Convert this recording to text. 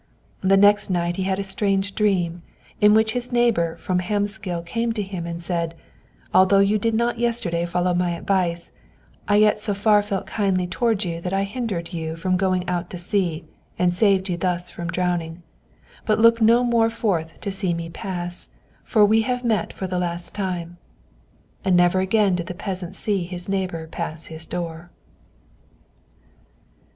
The next night he had a strange dream, in which his neighbor from Hvammsgil came to him and said, "Although you did not yesterday follow my advice, I yet so far felt kindly toward you that I hindered you from going out to sea, and saved you thus from drowning; but look no more forth to see me pass, for we have met for the last time." And never again did the peasant see his neighbor pass his door.